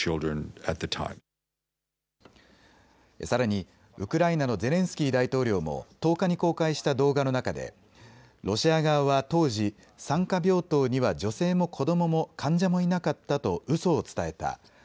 さらにウクライナのゼレンスキー大統領も１０日に公開した動画の中でロシア側は当時、産科病棟には女性も子どもも患者もいなかったとうそを伝えた。